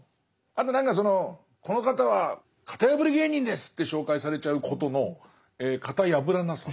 あと何かその「この方は型破り芸人です！」って紹介されちゃうことの型破らなさ。